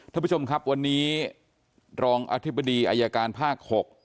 ท่านผู้ชมครับวันนี้รองอธิบดีอายการภาค๖